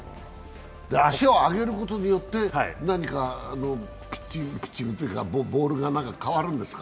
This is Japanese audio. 足を上げることによって何かピッチングというかボールが変わるんですか？